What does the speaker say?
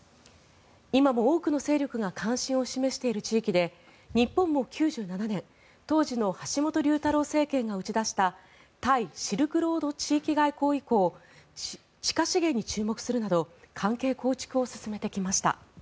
今も多くの勢力が関心を示している地域で日本も９７年当時の橋本龍太郎政権が打ち出した対シルクロード地域外交以降地下資源に注目するなど関係構築を進めてきました。